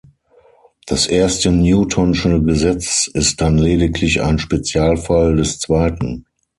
Das erste Newtonsche Gesetz ist dann lediglich ein Spezialfall des zweiten.